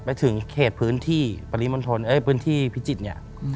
ไปถึงเขตพื้นที่พิจิตรเนี่ย